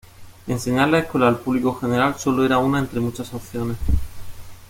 Enseñar la escuela al público general solo era una entre muchas otras opciones.